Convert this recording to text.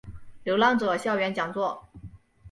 流浪者校园讲座